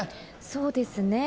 そうですね。